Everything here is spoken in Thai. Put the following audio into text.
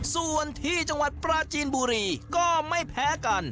ส่วนที่จังหวัดปราจีนบุรีก็ไม่แพ้กัน